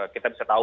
kita bisa tahu